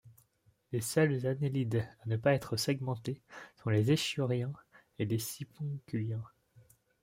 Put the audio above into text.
Les seuls annélides à ne pas être segmentés sont les échiuriens et les sipunculiens.